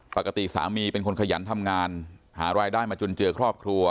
ปกติสามีเป็นคนขยันทำงานหารายได้มาจนเจอครอบครัว